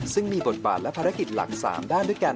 ซึ่งมีบทบาทและภารกิจหลัก๓ด้านด้วยกัน